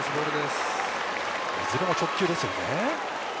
いずれも直球です。